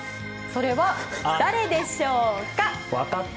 それは誰でしょうか。